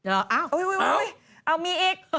เอ้าเอ้ามีอีก